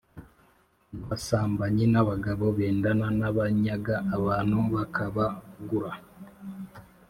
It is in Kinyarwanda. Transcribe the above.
n’abasambanyi n’abagabo bendana, n’abanyaga abantu bakabagura